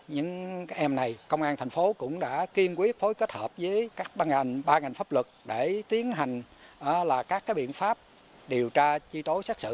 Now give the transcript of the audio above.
những em này công an thành phố cũng đã kiên quyết phối kết hợp với các ban ngành ban ngành pháp luật để tiến hành các biện pháp điều tra truy tố xét xử